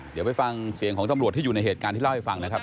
เดี๋ยวไปฟังเสียงของตำรวจที่อยู่ในเหตุการณ์ที่เล่าให้ฟังนะครับ